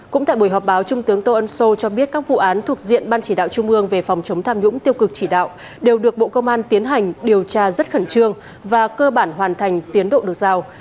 cũng tại buổi họp báo trung tướng tô ân sô cho biết các vụ án thuộc diện ban chỉ đạo trung ương về phòng chống tham nhũng tiêu cực chỉ đạo đều được bộ công an tiến hành điều tra rất khẩn trương và cơ bản hoàn thành tiến độ được giao